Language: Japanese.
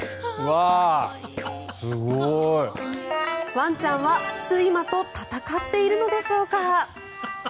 ワンちゃんは睡魔と闘っているのでしょうか。